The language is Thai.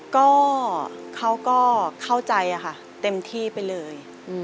ก็เขาก็เข้าใจค่ะเต็มที่ไปเลย